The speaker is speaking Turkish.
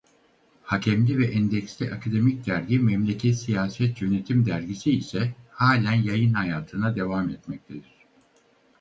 Hakemli ve endeksli akademik dergi Memleket Siyaset Yönetim dergisi ise halen yayın hayatına devam etmektedir.